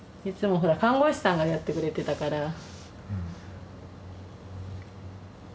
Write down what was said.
いつもほら看護師さんがやってくれてたから。